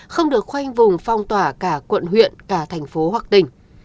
không được khoanh vùng phong tỏa cả quận huyện cả thành phố hoặc tỉnh